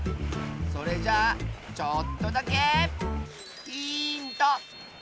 それじゃあちょっとだけヒント！